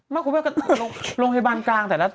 บ้าคุณเนี่ยโรงยะบันกลางแต่นะ